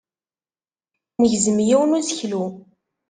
Negzem yiwen n useklu.